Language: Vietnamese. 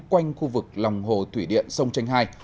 quanh khu vực lòng hồ thủy điện sông trành hải